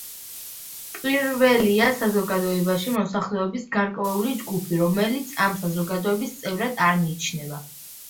პირველია საზოგადოებაში მოსახლეობის გარკვეული ჯგუფი, რომელიც ამ საზოგადოების წევრად არ მიიჩნევა.